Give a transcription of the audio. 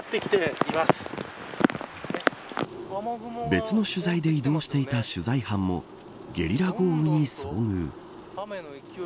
別の取材で移動していた取材班もゲリラ豪雨に遭遇。